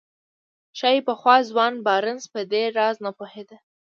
ښايي پخوا ځوان بارنس په دې راز نه پوهېده.